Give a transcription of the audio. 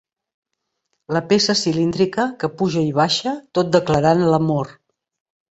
La peça cilíndrica que puja i baixa tot declarant l'amor.